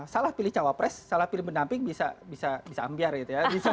salah pilih cawapres salah pilih pendamping bisa ambiar gitu ya